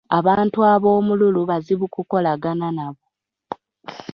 Abantu ab'omululu bazibu kukolagana nabo.